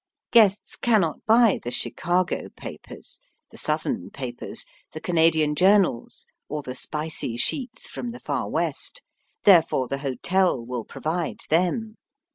Guests cannot buy the Chicago papers, the Southern papers, the Canadian journals, or the spicy sheets from the Far West. Therefore the hotel will provide them.